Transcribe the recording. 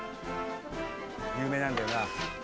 有名なんだよな。